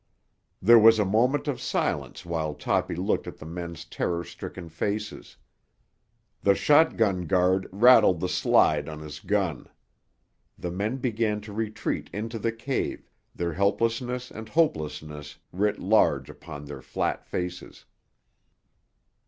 There was a moment of silence while Toppy looked at the men's terror stricken faces. The shotgun guard rattled the slide on his gun. The men began to retreat into the cave, their helplessness and hopelessness writ large upon their flat faces.